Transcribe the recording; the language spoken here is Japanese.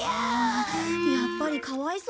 やっぱりかわいそうだ。